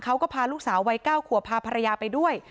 เขาก็พาลูกสาววัยเก้าขัวพาภรรยาไปด้วย